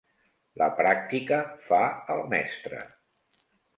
La pràctica fa el mestre.